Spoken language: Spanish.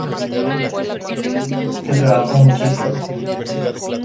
Se trabajó muchísimo.